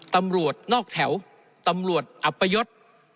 ตำรวจนอกแถวตำรวจอัปยศ